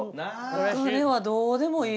「お金はどうでもいい」。